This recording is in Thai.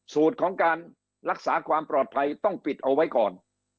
สูตรของการรักษาความปลอดภัยต้องปิดเอาไว้ก่อน